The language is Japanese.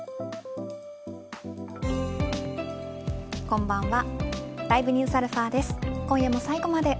こんばんは。